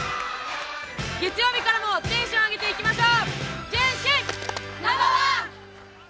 月曜日からもテンション上げていきましょう！